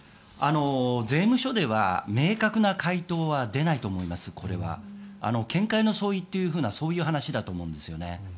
税務署では明確な回答は出ないと思います、これは。見解の相違というそういう話だと思うんですよね。